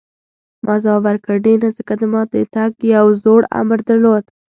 ما ځواب ورکړ: ډېر نه، ځکه ما د تګ یو زوړ امر درلود.